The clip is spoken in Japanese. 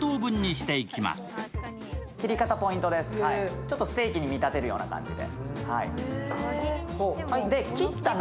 ちょっとステーキに見立てるような感じで。